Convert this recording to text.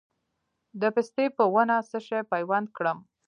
د پستې په ونه څه شی پیوند کړم؟